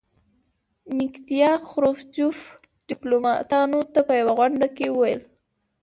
نیکیتیا خروچوف ډیپلوماتانو ته په یوه غونډه کې وویل.